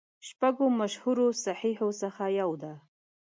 شپږو مشهورو صحیحو څخه یوه ده.